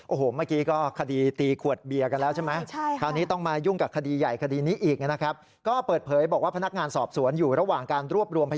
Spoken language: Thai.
โอ้โหเมื่อกี้ก็คดีตีขวดเบียร์กันแล้วใช่ไหม